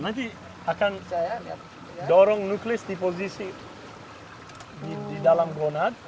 nanti akan dorong nuklis di posisi di dalam gonad